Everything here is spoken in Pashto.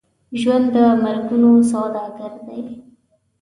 ژوند د مرګونو سوداګر دی.